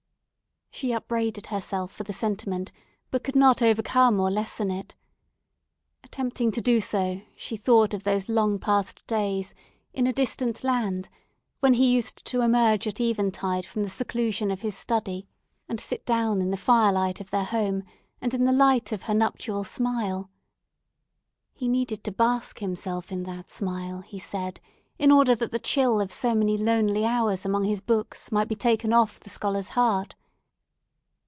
She upbraided herself for the sentiment, but could not overcome or lessen it. Attempting to do so, she thought of those long past days in a distant land, when he used to emerge at eventide from the seclusion of his study and sit down in the firelight of their home, and in the light of her nuptial smile. He needed to bask himself in that smile, he said, in order that the chill of so many lonely hours among his books might be taken off the scholar's heart.